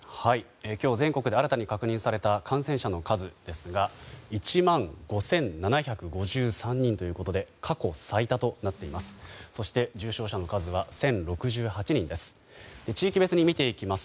全国で新たに確認された感染者の数ですが１万５７５３人ということで過去最多となっています。